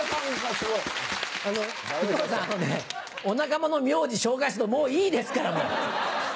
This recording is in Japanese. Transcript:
お仲間の名字紹介するのもういいですから！